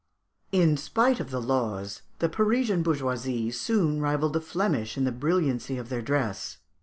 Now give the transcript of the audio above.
In spite of the laws, the Parisian bourgeoisie soon rivalled the Flemish in the brilliancy of their dress.